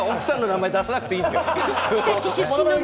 奥さんの名前出さなくていいですよ！